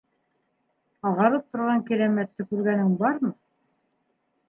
- Ағарып торған Кирәмәтте күргәнең бармы?